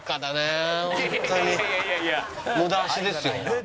無駄足ですよ。